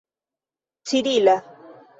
cirila